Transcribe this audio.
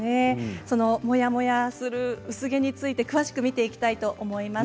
そのモヤモヤする薄毛について詳しく見ていきたいと思います。